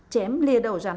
chém lia đầu rắn